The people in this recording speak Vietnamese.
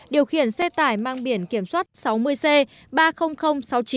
điều khiển xe tải mang biển kiểm soát sáu mươi c ba mươi nghìn sáu mươi chín